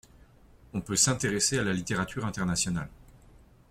On peut s’intéresser à la littérature internationale.